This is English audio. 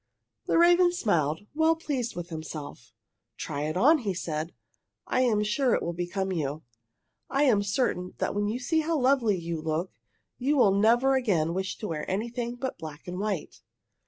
The raven smiled, well pleased with himself. "Try it on," he said. "I am sure it will become you. I am certain that when you see how lovely you look, you will never again wish to wear anything but black and white."